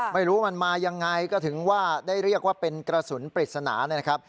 ไม่รู้มันมายังไงก็ถึงว่าได้เรียกว่าเป็นกระสุนปริศนานะครับ